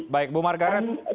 baik bu margaret